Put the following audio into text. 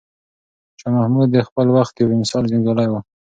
شاه محمود د خپل وخت یو بې مثاله جنګیالی و.